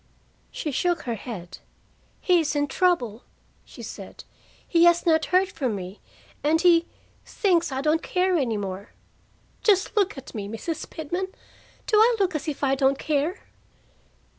She shook her head. "He is in trouble," she said. "He has not heard from me, and he thinks I don't care any more. Just look at me, Mrs. Pitman! Do I look as if I don't care?"